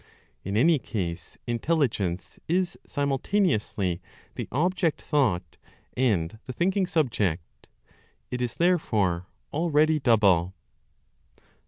In any case, intelligence is simultaneously the object thought, and the thinking subject; it is therefore already double.